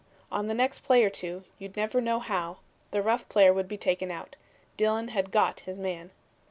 On the next play or two, you'd never know how, the rough player would be taken out. Dillon had "got" his man.